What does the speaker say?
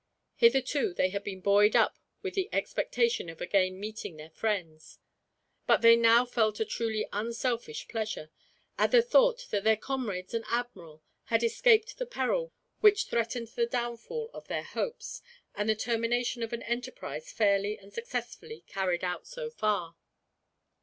Hitherto they had been buoyed up with the expectation of again meeting their friends; but they now felt a truly unselfish pleasure, at the thought that their comrades and admiral had escaped the peril which threatened the downfall of their hopes, and the termination of an enterprise fairly and successfully carried out, so far.